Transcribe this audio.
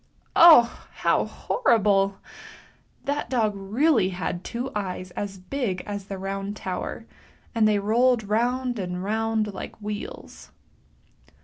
Oh! how horrible! that dog really had two eyes as big as the Round Tower, and they rolled round and round like w heels.